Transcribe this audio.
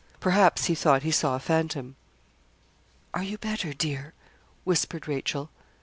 Perhaps he thought he saw a phantom. 'Are you better, dear?' whispered Rachel.